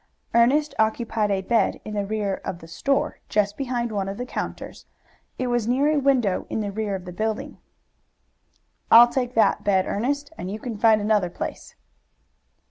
Ernest occupied a bed in the rear of the store, just behind one of the counters. It was near a window in the rear of the building. "I'll take that bed, Ernest, and you can find another place."